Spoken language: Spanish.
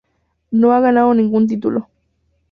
No ha ganado ningún título.